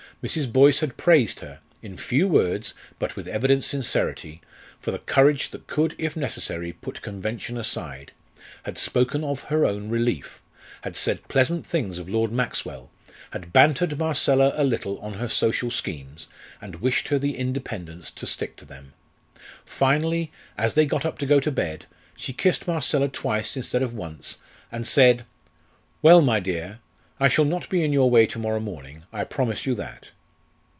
Mrs. Boyce had praised her in few words, but with evident sincerity for the courage that could, if necessary, put convention aside; had spoken of her own relief; had said pleasant things of Lord Maxwell; had bantered Marcella a little on her social schemes, and wished her the independence to stick to them. Finally, as they got up to go to bed, she kissed Marcella twice instead of once, and said: "Well, my dear, I shall not be in your way to morrow morning; I promise you that."